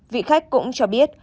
vị khách cũng cho biết